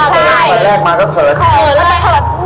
ครั้งแรกมาก็เขิน